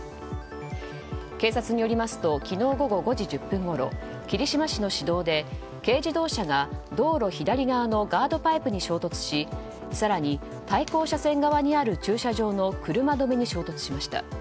警察によりますと昨日午後５時１０分ごろ霧島市の市道で、軽自動車が道路左側ガードパイプに衝突し更に対向車線側にある駐車場の車止めに衝突しました。